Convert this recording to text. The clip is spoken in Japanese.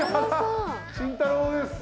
紳太郎です。